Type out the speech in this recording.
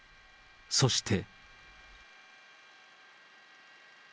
そして。